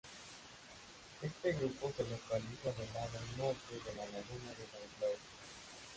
Este grupo se localiza del lado norte de la laguna de San Claudio.